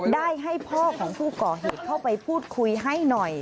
ได้ให้พ่อของผู้ก่อเหตุเข้าไปพูดคุยให้หน่อย